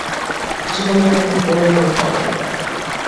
কিছুক্ষণ ধরে এতে কোনোই ফল পাওয়া গেল না।